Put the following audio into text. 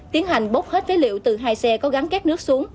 tiến hành bốc hết phế liệu từ hai xe có gắn kết nước xuống